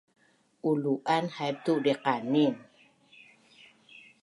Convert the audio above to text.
Ulu’an haip tu diqanin